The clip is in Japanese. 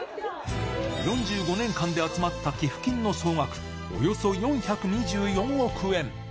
４５年間で集まった寄付金の総額、およそ４２４億円。